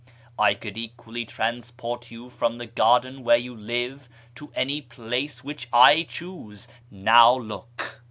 I could equally transport you from the garden where you live to any place which I chose. Now look."